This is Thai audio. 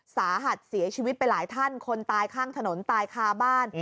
สาหัสเสียชีวิตไปหลายท่านคนตายข้างถนนตายคาบ้าน